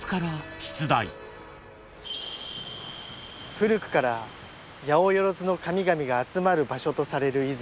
・古くからやおよろずの神々が集まる場所とされる出雲。